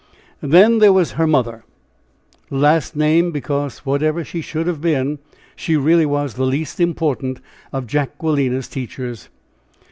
And then there was her mother, last named because, whatever she should have been, she really was the least important of Jacquelina's teachers.